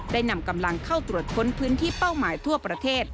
ได้นำกำลังเข้าตรวจค้นพื้นที่เป้าหมายทั่วประเทศ